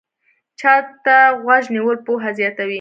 چا ته غوږ نیول پوهه زیاتوي